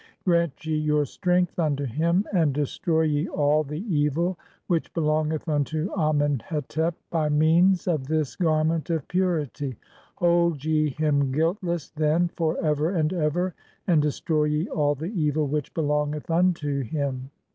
Grant ye your strength [unto him], (6) and "destroy ye [all] the evil which belongeth unto Amen hetep by 3l6 THE CHAPTERS OF COMING FORTH BY DAY. "means of this garment of purity. Hold [ye] him guiltless, then, "for ever and ever, and destroy ye [all] the evil which belongeth "unto him."